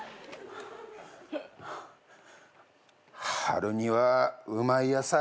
春にはうまい野菜。